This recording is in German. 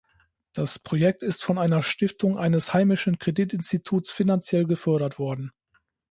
Das Projekt ist von einer Stiftung eines heimischen Kreditinstituts finanziell gefördert worden.